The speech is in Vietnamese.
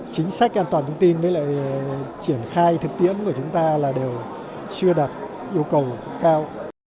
chính sách an toàn thông tin với lại triển khai thực tiễn của chúng ta là đều chưa đạt yêu cầu cao